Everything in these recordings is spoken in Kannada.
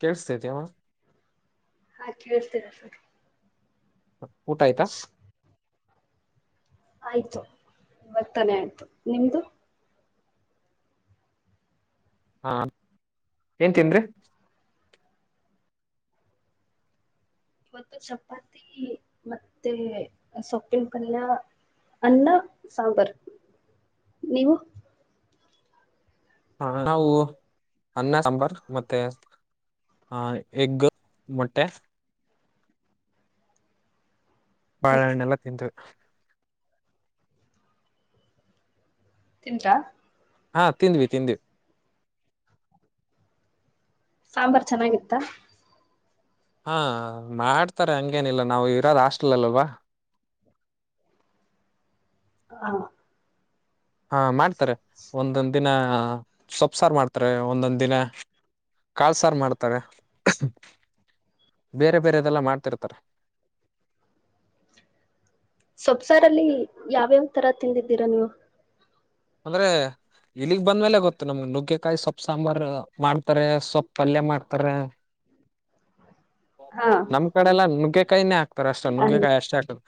ಕೇಳಸ್ತಾತ ಮ ಕೇಳ್ತಿಸಿದೆ ಸರ್ ಊಟ ಆಯ್ತಾ ಆಯ್ತು ಇವಗತ್ತಾನೆ ಆಯ್ತು ನಿಮ್ದು ಹಾ ಏನ್ ತಿನಂದ್ರೀ ಇವತ್ತು ಶಪಾತಿ ಮತ್ತೆ ಸೊಪ್ಪಿನ ಪಲ್ಯ ಅನ್ನ ಸಾಂಬರ್ ನೀವು ಹ ನಾವು ಅನ್ನ ಸಾಂಬಾರ್ ಮತ್ತೆ ಹಾ ಎಗ್ ಮೊಟ್ಟೆ ಮತ್ತೆ ಬಾಳಹಣ್ಣು ಎಲ್ಲಾ ತಿಂದವಿ ತಿಂದ್ರ ಹಾ ತಿಂದ್ವಿ ತಿಂದ್ವಿ ಸಾಂಬಾರ್ ಚೆನ್ನಾಗಿತ್ತ ಹಾ ಮಾಡ್ತಾರೆ ಹಂಗೇನಿಲ್ಲ ನಾವು ಇರೋದ್ ಹಾಸ್ಟಲ್ ಅಲ್ಲಿ ಅಲ್ವಾ ಹ. ಹಾ ಮಾಡ್ತಾರೆ ಒಂದೊಂದ್ ದಿನ ಸೊಪ್ಸಾರು ಮಾಡ್ತಾರೆ ಒಂದೊಂದ್ ದಿನ ಕಾಳು ಸಾರ್ ಮಾಡ್ತವೆ. ಬೇರೆ ಬೇರೆದೆಲ್ಲ ಮಾಡ್ತಿರ್ತಾರೆ. ಸೊಪ್ಸಾರಲ್ಲಿ ಯಾವ್ಯಾವ ತರ ತಿಂದಿದ್ದೀರಾ ನೀವು. ಅಂದ್ರೆ. ಇಲ್ಲಿಗ್ ಬಂದ್ಮೇಲೆ ಗೊತ್ತು ನಮಗ್ ನುಗ್ಗೆಕಾಯಿ ಸೊಪ್ಪು ಸಾಂಬಾರ್ ಮಾಡ್ತಾರೆ ಸೊಪ್ಪು ಪಲ್ಯ ಮಾಡ್ತಾರೆ. ಹಾ ನಮ್ ಕಡೆಲ್ಲಾ ನುಗ್ಗೆಕಾಯಿನೆ ಹಕ್ ತ್ತಾರೆ ಅಷ್ಟೇ ಅನ್ ನುಗ್ಗೆಕಾಯಿ ಅಷ್ಟೇ ಹಾಕೋದು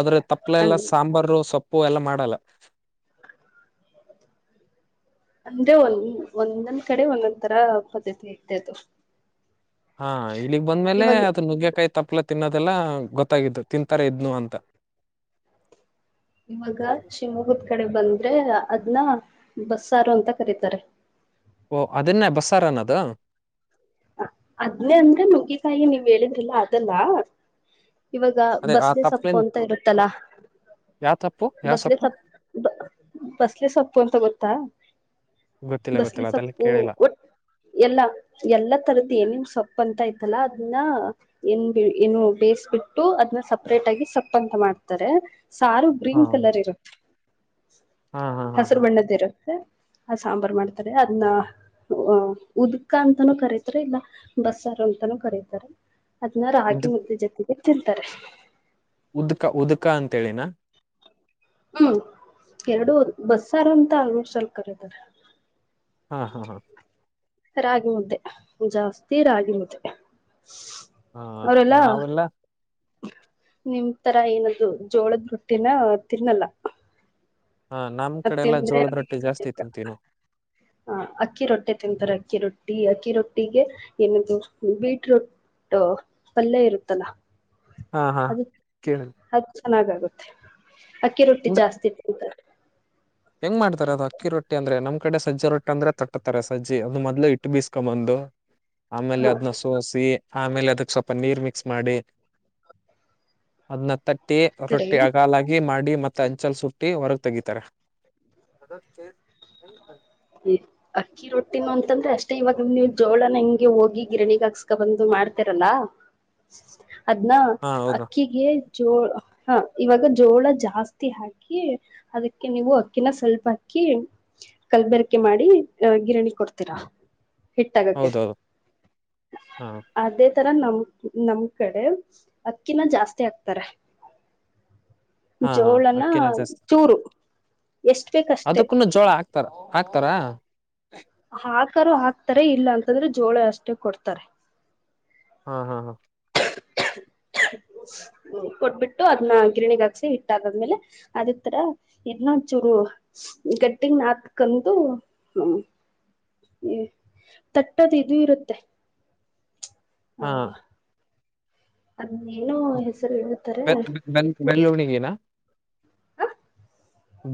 ಆದ್ರೆ ತಪ್ಪಲೆ ಅನ್ ಎಲ್ಲಾ ಸಾಂಬಾರು ಸೊಪ್ಪ್. ಪ್ಪು ಎಲ್ಲಾ ಮಾಡಲ್ಲ. ಅಂದೆ ಒಂದ ಒಂದೊಂದ್ ಕಡೆ ಒಂದೊಂದ್ ತರ ಪದ್ಧತಿ ಇ್ದದು. ಹಾ ಇಲ್ಲಿಗ್ ಬಂದ್ಮೇಲೆ ಅದನ್ನ ನುಗ್ಗೆಕಾಯ್ತ. ತಪ್ಲ ತಿನ್ನೋದೆಲ್ಲ ಗೊತ್ತಾಗಿದ್ದು ತಿಂತಾರೆ ಇದ್ನು ಅಂತ. ಇವಾಗ ಶಿವಮೊಹೂರ್ತ್. ಕಡೆ ಬಂದ್ರೆ ಅದನ್ನ ಬಸ್ಸಾರು ಅಂತ ಕರೀತಾರೆ. ಓ ಅದನ್ನೆ ಬಸ್ಸಾರು ಅನ್ನೋದು ಅದ್ನೇ ಅಂದ್ರ ನಗ್ಗಿಕಾಯಿ ನೀವ್ ಹೇಳಿದ್ರಿಲ್ಲ ಅದಲ್ಲ. ಇವಾಗ ಅದೇ ಆ ಬಸ್ಲೆ ಸೊಪ್ಪು ತಪ್ಲಿನ್ ಅಂತ ಇರುತ್ತಲಾ. ಯಾವ ತಪ್ಪು ಯಾವ ಬಸ್ಲೆ ಸೊಪ್ಪು ಸಪ್ಪ ಬಸ್ಲೆ ಸೊಪ್ಪು ಅಂತ ಗೊತ್ತಾ. ಗೊತ್ತಿಲ್ಲ ಬಸ್ಲಿ ಗೊತ್ತಿಲ್ಲ ಅದೆಲ್ಲ ಸೊಪ್ಪು ಕೇಳಿಲ್ಲ ಒಟ್ಟ ಎಲ್ಲ ಎಲ್ಲ. ತರದ ಏನೇನ್ ಸೊಪ್ಪ ಅಂತ ಇಐತಲ್ಲಾ ಅದನ್ನ ಏನ್ ಏನು ಬೇಯಿಸಬಿಟ್ಟು ಅದನ್ನ ಸಪ್ರೇಟ್. ತಗಿ ಸಪ್ಪ ಅಂತ ಮಾಡ್ತಾರೆ ಸಾರು ಹಾ ಗ್ರೀನ್ ಕಲರ್ ಇರುತ್ತೆ. ಹಾ ಹಾ ಹಾ ಹಾ ಹಸರು ಬಣ್ಣದ ಇರುತ್ತೆ ಆ ಸಾಂಬಾರ್ ಮಾಡ್ತಾರೆ ಅದ್ನ್ನ ಉದ್ಕ ಅಂತನೂ ಕರೀತಾರೆ ಇಲ್ಲ ಬಸ್ಸಾರ ಅಂತಾನೂ ಕರತಾರೆ ಅದನಾರ ಉದ್ ಆಾಗಿಿ ಮುದ್ದೆ ಜೊ ತಿಂತಾರೆ ಉದ್ಕ ಉದ್ಕ ಅಂತೇಳಿನ ಹ್ಮ್ ಎರಡು ಬಸ್ಸಾರು ಅಂತ ಆಲ್ಮೋಸ್ಟ್ ಅಲ್ ಕರಾರೆ ಹಾ ಹಾ ಹಾ ರಾಗಿ ಮುದ್ದೆ ಜಾಸ್ತಿ ರಾಗಿ ಮುದ್ದೆ ಹಾ ನಾವೆಲ್ಲ ನಿಂತರ ಏನ್ದು ಜೋಳದ್ ರೊಟ್ಟಿನ ತಿನ್ನಲ್ಲ ಹ ನಮ್ ಮ ಕಡೆ ಎಲ್ಲಾ ತಿಂದ್ರೆ ಜೋಳದ ರೊಟ್ಟಿ ಹ ಜಾಸ್ತಿ ತಿಂತೀವಿ ನಾವು [unintelligible] ಅಕ್ಕಿ ರೊಟ್ಟೆ ತಿಂತಾರೆ ಅಕ್ಕಿ ರೊಟ್ಟಿ ಟ್ಟಿ ಅಕ್ಕಿ ರೊಟ್ಟಿಗೆ ಏನದು ಬೀಟ್ರೋಟ್ ಪಲ್ಯ ಇರುತ್ತಲ್ಲ ಹಾ ಹಾ ಅದು ಕೇಳ ಅದು ಚೆನ್ನಾಗಾಗುತ್ತೆ ಅಕ್ಕಿ ರೊಟ್ಟಿ ಜಾಸ್ತಿ ತಿಂತಾರೆ ಹೆಂಗ ಮಾಡ್ತಾರೆ ಅದು ಅಕ್ಕಿ ರೊಟ್ಟಿ ಅಂದ್ರೆ ನಮ್ ಕಡೆ ಸಜ್ಜಿ ರೊಟ್ಟಿ ಅಂದ್ರೆ ತಟ್ಟತಾರೆ ಸಜ್ಜಿ ಅದು ಮೊದ್ಲು ಇಟ್ಟು ಬೀಸ್ಕೊಂಬಂದು ಆಮೇಲೆ ಹಾ ಅದ್ನ್ನ ಸೋಸಿ ಆಮೇಲೆ ಅದಕ್ ಸ್ವಲ್ಪ ನೀರ್ ಮಿಕ್ಸ್ ಮಾಡಿ ಹತ್ತ ಟ್ಟಿ ಸರಿ ರೊಟ್ಟಿ ಅಗಾಲಾಗಿ ಮಾಡಿ ಮತ್ತೆ ಅಂಚಲ್ ಸುಟ್ಟಿ ಹೊರಗ್ ತೆಗಿತಾರೆ ಅದ್ಟೇ [unintelligible] ಅಕ್ಕಿ ರೊಟ್ಟಿನ ಅಂತಂದ್ರೆ ಅಷ್ಟೇ ಇವಾಗ ನೀವು ಜೋಳನ ಹೆಂಗೆ ಹೋಗಿ ಗಿರಣಿಗ್ ಹಾಕ್ಸ್ಕ ಬಂದು ಮಾಡ್ತರಲ್ಲ ಅದನ್ನ ಹಾ ಹೌದು ಅಕ್ಕಿಗೆ ಜೋ ಹಾ ಇವಾಗ ಜೋಳ ಜಾಸ್ತಿ ಹಾಕಿ ಅದಕ್ಕೆ ನೀವು ಅಕ್ಕಿನ ಸ್ವಲ್ಪ ಅಕ್ಕಿ ಕಲ್ಬರ್ಕೆ ಮಾಡಿ ಅ ಗಿರಣಿ ಗೆ ಕೊಡ್ತೀರಾ ಹಿಟ್ಟಾಗಕ್ಕೆ ಹೌದೌದು ಹಾ ಅದೇ ತರ ನಮ ನಮ್ ಕಡೆ ಅಕ್ಕಿನ ಜಾಸ್ತಿ ಆಗ್ತಾರೆ ಹಾ ಹಾ ಜೋಳನ ಅಕ್ಕಿನ ಚೂರು ಎಷ್ಟ್ ಬೇಕಷ್ಟೆ ಅದಕ್ಕೂನ್ನ ಜೋಳ ಹಾಕ್ತಾರ ಹಾಕ್ತಾರಾ ಂದ್ರೆ [unintelligible] ಜೋಳ ಅಷ್ಟೆ ಕೊಡ್ತಾರೆ ಹಾ ಹಾ ಹಾ ಕೊಟ್ಬಿಟ್ಟು ಅದ್ನ್ನ ಗಿರಣಿಗ್ ಹಾಕ್ಸಿ ಹಿಟ್ಟಾಗಾದ್ಮೇಲೆ ಅದ ತರ ಇದ ಇ ಚೂರು ಗಟ್ಟಿಗೆ ನಾತ್ಕಂತ ಹ್ಮ ತಟ್ಟದ ಇದು ಇರುತ್ತೆ ಹಾ ಹೇಳ್ತಾರೆ ಬೆ ಆ ಬೆ ಬೆಲ್ಲುಣಿಗೆಿನ [unintelligible]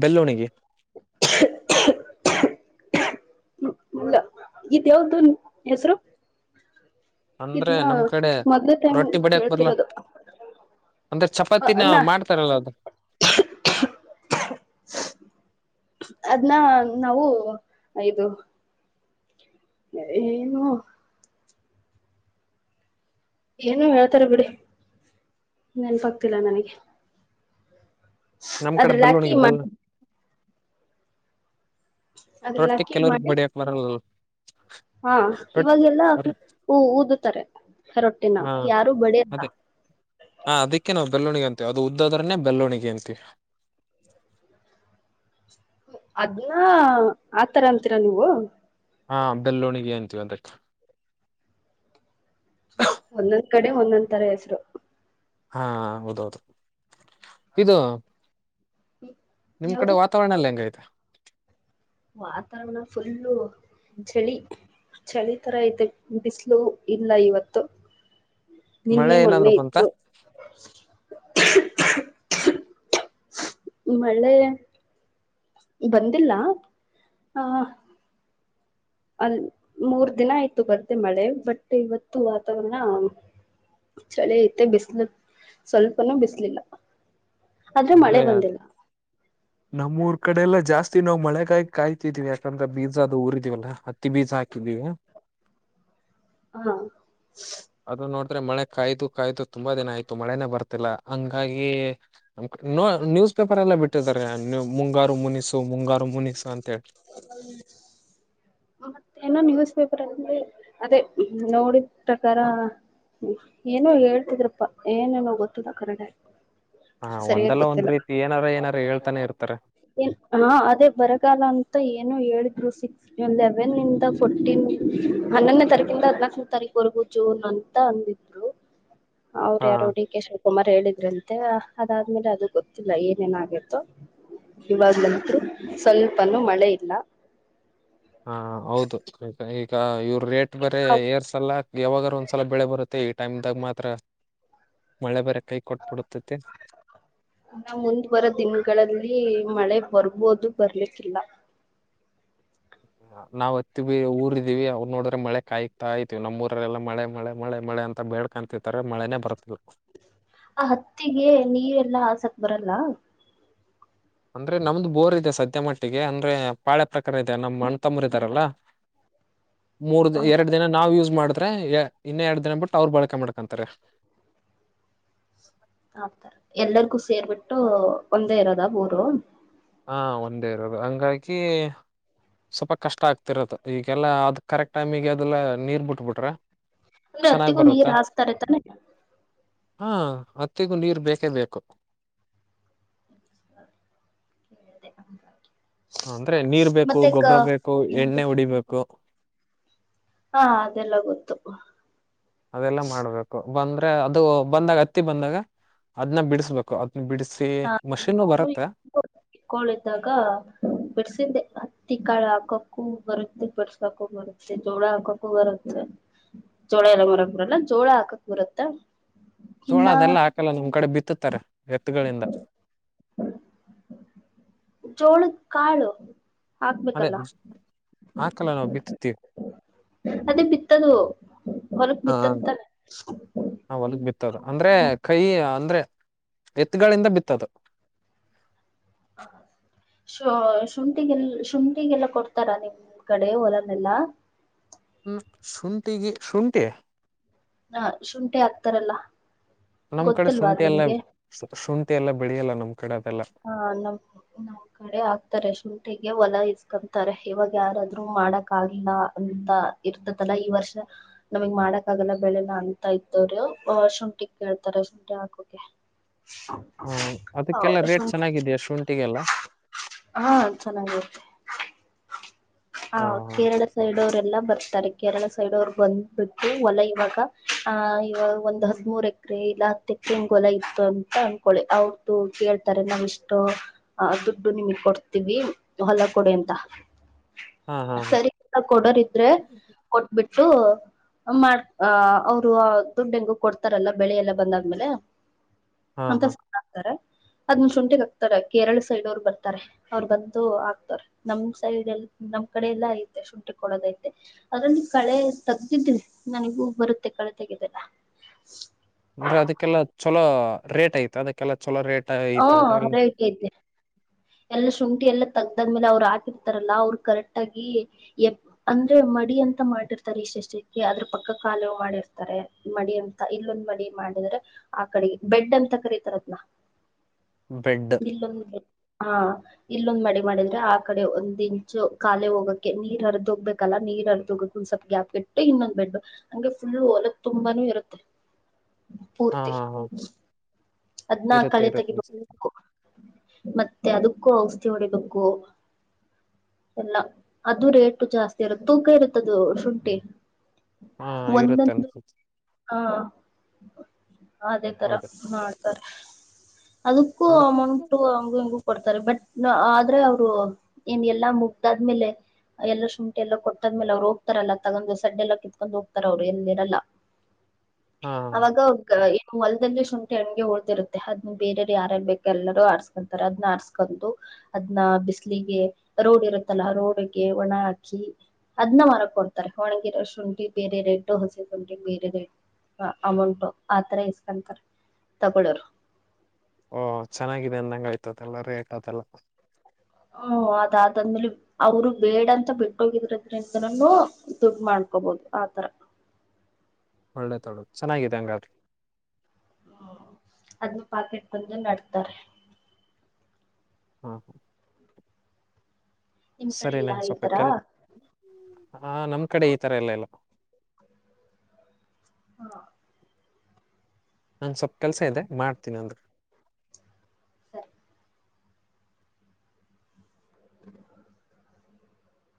ಬೆಲ್ಲೋಣಿಗೆ ಇ ಯಾವ್ದು ಹೆಸರು ಅಂದ್ರೆ ಇದನ್ನ ನಮ್ ಕಡೆ ಮೊದ್ಲೇ ಟೈಮ್ ರೊಟ್ಟಿ ಬಡಿಯಕ್ ಬರ್ಲ್ಲ ಕೇಳ್ತಿರೋದು ಅಂದ್ರೆ ಚಪಾತಿನ ಅನ್ನ ಮಾಡ್ತಾರಲ್ಲ ಅದು ಅದ್ನ್ನ ನಾವು ಇದು ಏನು ಏನೊ ಹೇಳ್ತಾರ ಬಿಡಿ ನೆನಪಾಗ್ತಿಲ್ಲ ನನಗೆ ನಮ್ ಕಡೆ ಅದ್ರಲ್ಲ ಹಾಕಿ ಬೆಲ್ಲುಣಿಗೆ ಮಾಡ ಬೆಲ್ಲ ಅದ್ರಲ್ಲಿ ರೊಟ್ಟಿ ಹಾಕಿ ಕೆಲವ್ರರಿಗೆ ಮಾಡಿ ಬಡಿಯಾಕ್ ಬರಲಲ್ ಹಾ ಇವಾಗೆಲ್ಲಾ ಹಊ ಊದತಾರೆ ರೊಟ್ಟಿನ ಹಾ ಯಾರು ಬಡಿಯಲ್ಲಾ ಹಾ ಅದಿಕ್ಕೆ ನ ಬೆಲ್ಲವಣಿಗೆ ಅಂತೆ ಅದು ಉದ್ದದ್ರನ್ನೇ ಬೆಲ್ಲವಣಿಗೆ ಅಂತ ಅದ್ನ್ ಆತರ ಅಂತೀರ ನೀವು ಹಾ ಬೆಲ್ಲೋಣಗಿ ಅಂತೀವ್ ಅದಕ್ಕ ಒಂದೊಂದ್ ಕಡೆ ಒಂದೊಂದ ತರಾ ಹೆಸರು ಹಾ ಹೌದೌದು ಇದು ನಿಮ್ ಯಾವ್ದು ಕಡೆ ವಾತಾವರಣ ಎಲ್ಲ ಹೆಂಗ ಐತೆ ವಾತಾವರಣ ಫುಲ್ಲು ಚಳಿ ಚಳಿ ತರ ಐತೆ ಬಿಸ್ಲು ಇಲ್ಲ ಇವತ್ತು. ಮಳೆ ನಿನ್ನೆ ಮೊನ್ನೆ ಏನಾದ್ರು ಬಂತ ಇತ್ತು ಮಳೆ ಬಂದಿಲ್ಲ ಆ ಅಲ್ ಮೂರ್ ದಿನ ಆಯ್ತು ಬರ್ತೆ ಮಳೆ ಬಟ್ ಇವತ್ತು ವಾತಾವರಣ ಚಳಿ ಐತೆ ಬಿಸ್ಲು ಸ್ವಲ್ಪನೂ ಬಿಸಲಿಲ್ಲ ಆದ್ರೆ ಮಳೆ ಬಂದಿಲ್ಲ ನಮ್ಮೂಊರ್ ಕಡೆ ಎಲ್ಲ ಜಾಸ್ತಿ ನಾವು ಮಳೆಗಾಗಿ ಕಾಯ್ತಿದೀವಿ ಯಾಕಂದ್ರ ಬೀಜ ಅದು ಊರಿದೀವಲ್ಲಾ ಬಿಜಾ ಹಾಕಿದೀವಿ ಹಾ ಅದು ನೋಡಿದ್ರೆ ಮಳೆ ಕಾಯ್ದು ಕಾಯ್ದು ತುಂಬಾ ದಿನ ಆಯ್ತು ಮಳೆನೆೇ ಬರ್ತಿಲ್ಲ ಹಂಗಾಗಿ ಮ ನ್ಯೂಸ್ ಪೇಪರ್ ಎಲ್ಲಾ ಬಿಟ್ಟಿದಾರೆ ನ್ ಮುಂಗಾರು ಮುನಿಸು ಮುಂಗಾರು ಮುನಿಸು ಅಂತೇಳಿ [inaudible] ಮತ್ತೇನ ನ್ಯೂಸ್ ಪೇಪರ್ ಅಲ್ಲಿ ಅದೇ ನೋಡಿದ ಪ್ರಕಾರಾ ಹ್ಮ ಏನೋ ಹೇಳ್ತಿದ್ರಪ್ಪಾ ಏನೇನೋ ಗೊತ್ತದ ಕರಡೆ ಹಾ ಸರಿಯಾಗಿ ಒಂದಲ್ಲ ಒಂದ್ ಗೊತ್ತಿಲ್ಲ ರೀತಿ ಏನಾರ ಏನಾರ ಹೇಳ್ತಾನೆ ಇರ್ತಾರೆ ಹಾ ಅದೇ ಬರಗಾಲಾ ಅಂತ ಏನ ಹೇಳಿದ್ರು ಸಿಕ್ಸ್ ಲೆವೆನ್ ಇಂದ ಫೋರ್ಟೀನ್ ಹನ್ನೊಂದನೇ ತಾರೀಕಂದ ಹದಿನಾಲ್ಕನೇ ತಾರೀಕು ರೆಗೂ ಜೂನ್ ಅಂತ ಅಂದಿದ್ರು ಅವರು ಹಾ ಯಾರೋ ಡಿ ಕೆ ಶಿವಕುಮಾರ್ ಹೇಳಿದ್ರರು ಅಂತ ಮತ್ತೆ ಅದಾದ್ಮೇಲೆ ಅದು ಗೊತ್ತಿಲ್ಲ ಏನೇನ ಆಗಿತ್ತು ಇವಾಗ್ಲನ್ ತೃ ಸ್ವಲ್ಪನೂ ಮಳೆ ಇಲ್ಲಾ ಹಾ ಹೌದು ಈಗ ಈಗ ಇವ್ರ ರೇಟ್ ಬೇರೆ ಏರ್ ಸಲ ಯಾವಾಗ್ಲೂ ಒಂದ್ಸಲ ಬೆಳೆ ಬರುತ್ತೆ ಈ ಟೈಮ್ ದಾಗ ಮಾತ್ರ ಮಳೆ ಬೇರೆ ಕೈ ಕೊಟ್ಬಿಡತೈತಿ ಇ ನಾ ಮುಂದ ಬರುವರ ದಿನಗಳಲ್ಲಿ ಮಳೆ ಬರ್ಬೋದು ಬರ್ಲಿಕ್ಕಿಲ್ಲಾ ನಾವ್ ಹತ್ತು ಬಿ ಊರ್ ಇದೀವಿ ಅವ್ರು ನೋಡಿದ್ರೆ ಮಳೆ ಕಾಯತಾಯತೀವಿ ನಮ್ಮ ಊರಲ್ಲ ಮಳೆ, ಮಳೆ ಮಳೆ, ಮಳೆ, ಮಳೆ ಅಂತ ಬೇಳ್ಕತಿರ್ರೆ ಮಳೆನನೆ ಬರ್ತಿರು ಆ ಹತ್ತಿಗೆ ನೀರೇಲ್ಲಾ ಹಾಸಕ್ ಬರಲ್ಲಾ ಅಂದ್ರೆ ನಮ್ದು ಬೋರ್ ಇದೆ ಸದ್ಯ ಮಟ್ಟಿಗೆ ಅಂದ್ರೆ ಪಾಳೆ ಪ್ರಕಾರ ಇದೆ ನಮ್ಮ್ ಅಣ್ಣತಮ್ಮರ್ ಇದ್ದಾರಲ್ಲಾ ಮೂರ್ ಎರಡು ದಿನ ನಾವು ಯೂಸ್ ಮಾಡವಿ ಇನ್ನ ಎರಡು ದಿನ ಬಿಟ್ಟು ಅವ್ರ ಬಳಕೆ ಮಾಡ್ಕೊಂತಾರೆ ಆತರ ಎಲ್ಲರಿಗೂ ಸೇರ್ಬಿಟ್ಟು ಒಂದೇ ಇರೋದ ಬೋರು ಹಾ ಒಂದೇ ಇರೋದು ಹಂಗಾಗಿ ಸ್ವಲ್ಪ ಕಷ್ಟ ಆಗ್ತಿರತ್ತ ಈಗೆಲ್ಲಾ ಅದ ಕರೆಕ್ಟ್ ಟೈಮಿಗೆ ಅದೆಲ್ಲಾ ನೀರ್ ಬಿಟ್ಬಿಟ್ರೆ ಅಂದ್ರೆ ಚೆನ್ನಾಗ್ ಹತ್ತಿಗೂ ಬರುತ್ತಾ ನೀರು ಹಾಸ್ತಾರತಾನೆ ಹಾ ಹತ್ತಿಗೂ ನೀರ್ ಬೇಕೇ ಬೇಕು. [unintelligible] ಅಂದ್ರೆ ನೀರ್ ಬೇಕು ಮತ್ತೆ ಕ ಗೊಬ್ಬರ ಬೇಕು ಎಂತ ಎಣ್ಣೆ ಉಡಿಬೇಕು ಹಾ ಅದೆಲ್ಲ ಗೊತ್ತು ಅದೆಲ್ಲ ಮಾಡ್ಬೇಕು ಬಂದ್ರೆ ಅದು ಬಂದಾಗ ಹತ್ತಿ ಬಂದಾಗ ಅದ್ನ್ನ ಬಿಡಸ್ಬೇಕು ಹಾ ತಿಕ್ಕಳಿದ್ದಾಗ ಬಿಡ್ಸಿದ್ದೆ ತಿಕ್ಕಾಳ ಹಾಕಕ್ಕೂ ಬರುತ್ತೆ ಬಡ್ಸಾಕು ಬರುತ್ತೆ ಜೋಳ ಹಾಕಕು ಬರುತ್ತೆ ಜೋಳ ಎಲ್ಲ ಮರಕ್ ಬರಲ್ಲ ಜೋಳ ಹಾಕಕ್ ಬರತ್ತ ಚೋಳ ಅದೆಲ್ಲಾಕಲ್ಲ ನಮ್ ಕಡೆ ಬಿ ಹ ತರ ಎತ್ತುಗಳಿಂದ ಜೋಳ ಕಾಳು ಅದೇ ಹಾಕ್ಬೇಕಲ್ಲ ಆಕಲ್ಲ ನಾವು ಬಿತ್ತತಿೀವಿ ಅದೇ ಬಿತ್ತದು ಹೊಲಕ್ ಹಾ ಬಿತ್ತದು ತಾನೆ ಹೊಲಗ್ ಬಿತ್ತದ ಅಂದ್ರೆ ಕೈ ಅಂದ್ರೆ ಎತ್ತುಗಳಿಂದ ಬಿತ್ತದು [inaudible] [inaudible] ಶು ಶುಂಠಿಗೆಲ್ಲ ಶುಂಠಿಗೆಲ್ಲ ಕೊಡ್ತಾರ ನಿಮ್ ಕಡೆ ಹೊಲನೆೆಲ್ಲ ಹ್ಮ ಶತಿ ಶಣಟ ಹಾ ಶುಂಠಿ ಆಗ್ತಾರಲ್ಲ ನಮ್ ಕಡೆ ಶುಂಠಿ ಎಲ್ಲ ಶುಂಠಿ ಎಲ್ಲ ಬೆಳಲ್ಲ ನಮ್ ಕಡೆ ಅದೆಲ್ಲ ಹಾ ನಮ್ ನಮ್ ಕಡೆ ಆಗ್ತಾರೆ ಶುಂಠಿಗೆ ಹೊಲ ಇ ಂತಾರೆ ಇವಾಗ ಯಾರಾದ್ರು ಮಾಡಕ್ ಆಲ್ಲ ಅಂತ ಇರ್ತದಲ್ಲ ಈ ವರ್ಷ ನಮಗ್ ಮಾಡಕ್ಕಾಗಲ್ಲ ಬೆಳೆಲ್ಲ ಅಂತ ಇದ್ದವ್ರರು್ ಶುಂಠಿ ಕೇಳ್ತಾರೆ ಶುಂಠಿ ಹಾಕೋಕ ಹಾ ಅದಕ್ಕೆಲ್ಲ ರೇಟ್ ಚೆನ್ನಾಗಿದೆಯಾ ಶುಂಠಿಗೆಲ್ಲ ಹಾ ಹಾ ಹ ಕೇರಳ ಸೈಡ್ ಅವ್ರ ಲ್ಲ ಬರ್ತಾರೆ ಕೇರಳ ಸೈಡ್ ಅವ್ರಗ್ ಬಂದ್ಬಟ್ಟು ಹೊಲ ಇವಾಗ ಆ ಒಂದ ಹದ್್ಮೂರು ಅ್ರೆ ಇಲ್ಲಾ ತೆಕ್ಕಂಗ ಗೊಲ ಇತ್ತು ಅಂತ ಅನ್ಕೊಳ್ಳಿ ಅವ್ರ್ದು ಕೇಳ್ ತಾರೆ ನಾವ್ ಇಷ್ಟೋ ಅ ದುಡ್ಡು ನಿಮಗ್ ಕೊಡ್ತೀವಿ ಹೊಲ ಕೊಡೆ ಅಂತ ಹಾ ಹಾ ಸರಿ ಎಲ್ಲ ಕೊಡೋರ ಇದ್ರೆ ಕೊಟ್ಬಿಟ್ಟು ಮಾಡ್ ಆ ಅವ್ರು ದುಡ್ಡೆಂಗೂ ಕೊಡ್ತಾರಲ್ಲ ಬೆಳೆಲ್ಲ ಬಂದಾದ್ಮೇಲೆ ಹಾ ಹಮ ಹಾ ಕಸ ಆತಾರ ಅದ್ಂದ ಶುಂಠಿಗ್ ಹಾಕ್ತಾರೆ ಕೇರಳ ಸೈಡ್ ಅವ್ರು ಬರ್ತಾರೆ ಅವ್ರು ಬಂದು ಆಗ್ತಾರ ನಮ್ ಸೈಡ್ ಎ ನಮ್ಮ್ ಕಡೆ ಎಲ್ಲಾ ಐತೆ ಶುಂಠಿ ಕೊಡೋದಐತೆ ಅದ್ರಲ್ಲಿ ಕಳೆ ತೆಗ್ದಿದ್ರಿ ನನಗೂ ಬರುತ್ತೆ ಕಳೆ ಸಿಗಿದ್ದಲ್ಲ ಅಂದ್ರೆ ಅದಕ್ಕೆಲ್ಲಾ ಚಲೋ ರೇಟ್ ಐತ ಅದಕ್ಕೆಲ್ಲಾ ಚಲೋ ರೇಟ್ ಹ ಐತ ಅದೆಲ್ಲ ಹರೇ ಕೈತೆ ಎಲ್ಲ ಶುಂಠಿ ಎಲ್ಲ ತಗ್ದಾದ್ಮೇಲೆ ಅವ್ರು ಹಾಕಿರ್ತಾರಲ್ಲ ಅವ್ರು ಕರೆಕ್ ಆಗಿ ಎ ಅಂದ್ರೆ ಮಡಿ ಅಂತ ಮಾಡಿರ್ತಾರೆ ಇಷ್ಟೆಷ್ಟಕ್ಕೆ ಅದ್ರ ಪಕ್ಕ ಕಾಲ ಮಾಡಿರ್ತಾರೆ ಮಡಿ ಅಂತ ಇಲ್ಲೊಂದ್ ಮಡಿ ಮಾಡಿದ ಆ ಕಡೆ ಬೆಡ್ ಅಂತ ಕರೀತಾರದನಾ ಬೆಡ್ ಇಲ್ಲೊಂದು ಬೆಡ್ ಇಲ್ಲೊಂದ್ ಮಡಿ ಮಾಡಿದ್ರೆ ಆ ಕಡೆ ಒಂದ್ ಇಂಚು ಕಖಾಲಿ ಹೋಗಕ್ಕೆ ನೀರ್ ಹರದ ಹೋಗ್ಬೇಕಲ್ಲ ನೀರ್ ಹರ್ ಂದ್ ಸ್ವಲ್ ಗ್ಯಾಪ್ಗೆಟ್ಟು ಇನ್ನೊ್ ಬೆಡ್ಡು ಹಂಗೆ ಫುಲ್ ಹೊಲ ತುಂಬಾನು ಇರುತ್ತೆ [unintelligible] ಹಾ ಪೂರ್ತಿ ಹಾ ಹಾ ಅದ್ನ್ನ ಇರುತ್ತೆ ಕಳೆ ಇರುತ್ತೆ ಅನ್ಸುತ್ತೆ. ತೆಗಿಬೇಕು ಮತ್ತೆ ಅದಕ್ಕೂ ಔಷಧಿ ಹೊಡಿಬೇಕು ಎಲ್ಲ ಅದು ರೇಟು ಜಾಸ್ತಿ ಇರುತ್ತೆ ತೂಕ ಇರುತ್ತದು ಶುಂಠಿ ಹಾ ಇರುತ್ತೆ ಒಂದೊಂದು ಅನ್ಸುತ್ತೆ ಹಾ ಅದೇ ತರ ಹೌದು ಮಾಡ್ತಾರೆ ಅದಕ್ಕೂ ಅಂದ್ರೆ ಅಮೌಂಟ್ ಹಂಗು ಹಿಂಗು ಕೊಡ್ತಾರೆ ಬಟ್ ನ ಆದ್ರೆ ಅವ್ರು ಏನ್ ಎಲ್ಲಾ ಮುಗ್ದಾದ್ಮೇಲೆ ಎಲ್ಲ ಶುಂಠಿ ಎಲ್ಲ ಕೊಟ್ಟದ್ಮೇಲೆ ಅವ್ರು ಹೋಗ್ತಾರಲ್ಲ ತಗೊಂಡ್ ಸಡ್ಡೆ ಎಲ್ಲ ಕಿತ್ಕೊಂಡ್ ಹೋಗ್ತಾರ ಅವ್ರು ಎಲ್ಲಿರಲ್ಲ [inaudible] ಅವಾಗಗ ಇ ಮಲದದಲ್ಲಿ ಶುಂಠಿ ಉಳ್ದಿರುತ್ತೆ ಅದ್ ಬೇರೆಯರು ಯಾರ ಬೇಕ ಎಲ್ಲರೂ ಆಸ್ಕೊಂತಾರೆ ಅದನ್ನ ಆರ್ಸ್ಕೊಂಡು ಅದ್ನ ಬಿಸ್ಲ ಹಗೆ ರೋಡ್ ಇರುತ್ತಲ್ಲ ರೋಡ್ಗೆ ಒಣ ಹಾಕಿ ಅದ್ನ ಮರಕ್ ಕೊಡ್ತಾರೆ ಒಣಗಿರೋ ಶುಂಠಿ ಬೇರೆ ರೇಡ್ ಹಸಿ ಶುಂಠಿ ಬೇರೆ ರೇಡ್ ಹ ಅಮೌಂಟ್ ಆತರ ಇಸ್ಕಂತರ ತಗಳೋರು ಓ ಚೆನ್ನಾಗಿದೆ ಅಂದಂಗ ಆಯ್ತದೆ ಎಲ್ಲ ರೇಟ್ ಆದೆಲ್ಲ ಹ್ಮ ಅದಾದಾದ್ಮೇಲೆ ಅವರು ಬೇಡ ಅಂತ ಬಿಟ್ಟೋಗಿದ್ರದ್ರಿಂದನು ದುಡ್ ಮಾಡ ಹಕೋಬಹುದು ಆತರ ಒಳ್ಳೆತೊಳು ಚೆನ್ನಾಗಿದೆ ಅಂಗತ್ ಹ್ಮ ಅದ್ನ್ ಪಾಕ ಇಟ್ಕಂದು ನಡ್ತಾರೆ ಹ್ಮ ಹಾ ನಿಮ್ ಕಡೆ ಸರಿ ಇಲ್ಲಾ ನಂಗ ಈ ಸೊಪ ತರಾ? ಕೆಲ್ ಹಾ ನಮ್ ಕಡೆ ಈ ತರ ಎಲ್ಲ ಇಲ್ಲ ನಾ ಸ್ವಲ್ಪ್ ಕೆಲ್ಸ ಇದೆ ಮಾಡ್ತೀನಿ ಅಂದರು ಸರಿ ಹ.